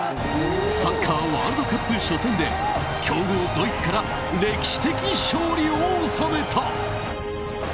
サッカーワールドカップ初戦で強豪ドイツから歴史的勝利を収めた。